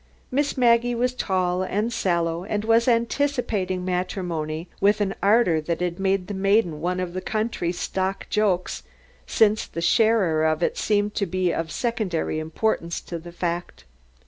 Miss Maggie was tall and sallow and was anticipating matrimony with an ardor that had made the maiden one of the country's stock jokes, since the sharer of it seemed to be of secondary importance to the fact.